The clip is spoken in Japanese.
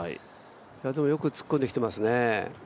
でもよく突っ込んできてますね。